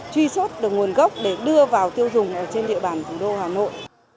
truy xuất được nguồn gốc để đưa vào tiêu dùng trên địa bàn thủ đô hà nội